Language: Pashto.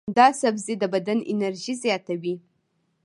دا سبزی د بدن انرژي زیاتوي.